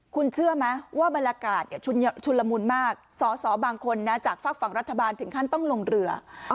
คุณเชื่อไหมว่าบรรยากาศชุนละมุนมากสอสอบางคนนะจากฝากฝั่งรัฐบาลถึงขั้นต้องลงเรือ